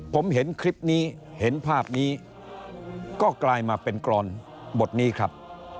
ผมเห็นคลิปนี้เห็นภาพนี้ก็กลายมาเป็นกรอนบทนี้ครับ